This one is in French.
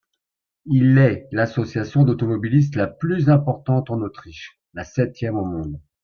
Il est l'Association d'automobilistes la plus importante en Autriche, la septième au monde.